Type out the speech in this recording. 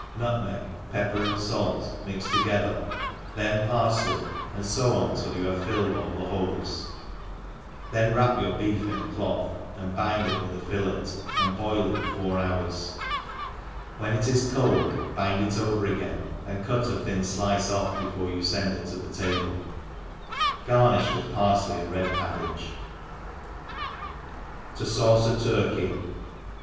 nutmeg, pepper, and fait, mixed together^ then parfley, and fo on till you have filled all the holes, then wrap your beef in a cloth, and bind it with a fillet, and boil it four hours; when it is cold, bind it over again, and cut a thin diet off before you fend it to the table : garnifli with parfley and red cabbage* To/oujea Turkey.